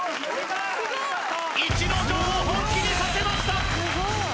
逸ノ城を本気にさせました